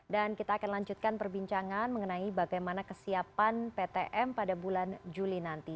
dan kita akan lanjutkan perbincangan mengenai bagaimana kesiapan ptm pada bulan juli nanti